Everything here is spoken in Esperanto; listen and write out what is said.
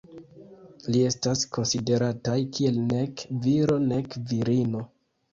Ili estas konsiderataj kiel nek viro nek virino.